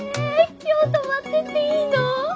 今日泊まってっていいって！